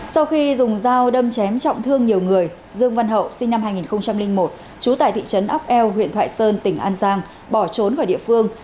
sau khi dùng dao đâm chém trọng thương nhiều người dương văn hậu sinh năm hai nghìn một trú tại thị trấn ốc eo huyện thoại sơn tỉnh an giang bỏ trốn khỏi địa phương